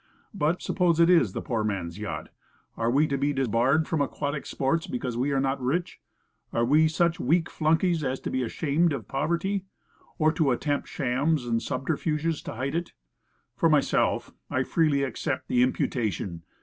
" But, sup pose it is the poor man's yacht? Are we to be de barred from aquatic sports because we are not rich? And are we such weak flunkies as to be ashamed of poverty? Or to attempt shams and subterfuges to hide it? For myself, I freely accept the imputation.